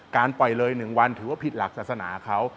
ปล่อยเลย๑วันถือว่าผิดหลักศาสนาเขา